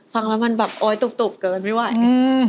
ฟังแล้วมันแบบโอ๊ยตุกเกินไม่ไหว